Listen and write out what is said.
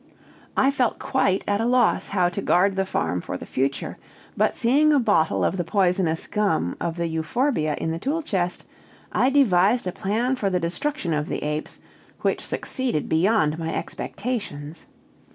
I felt quite at loss how to guard the farm for the future; but seeing a bottle of the poisonous gum of the euphorbia in the tool chest, I devised a plan for the destruction of the apes which succeeded beyond my expectations.